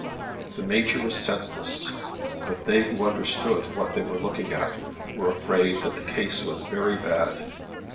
The Major was senseless, but they who understood what they were looking at were afraid that the case was very bad.